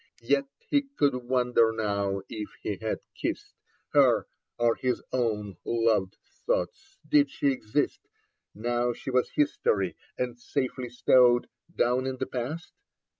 Yet he could wonder now if he had kissed Her or his own loved thoughts. Did she exist Now she was history and safely stowed Down in the past